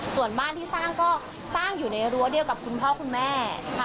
ส่วนบ้านที่สร้างก็สร้างอยู่ในรั้วเดียวกับคุณพ่อคุณแม่ค่ะ